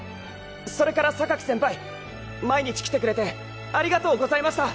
それから先輩毎日来てくれてありがとうございました。